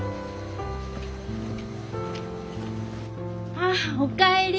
ああお帰り！